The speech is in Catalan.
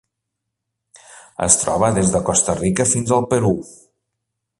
Es troba des de Costa Rica fins al Perú.